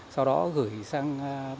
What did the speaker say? sau đó gửi sang